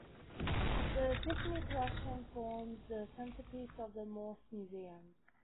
The Tiffany collection forms the centerpiece of the Morse Museum.